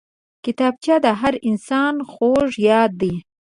کتابچه د هر انسان خوږ یاد دی